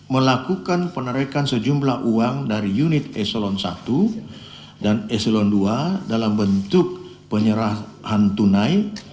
melakukan penerikan sejumlah uang dari unit eselon i dan eselon ii dalam bentuk penyerahan tunai